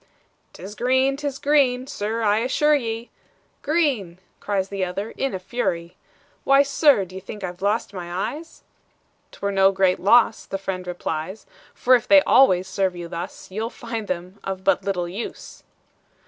"'T is green, 't is green, sir I assure ye!" "Green!" cries the other in a fury "Why, sir! d'ye think I've lost my eyes?" "'T were no great loss," the friend replies, "For, if they always serve you thus, You'll find them of but little use."